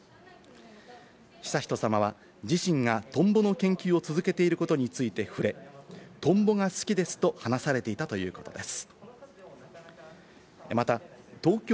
悠仁さまは自身がトンボの研究を続けていることについて触れ、トンボが好きですと話されていたということです。